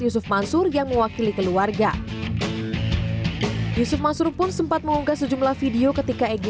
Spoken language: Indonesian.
yusuf mansur yang mewakili keluarga yusuf mansur pun sempat mengunggah sejumlah video ketika egy